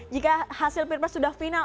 jika hasil pilpres sudah final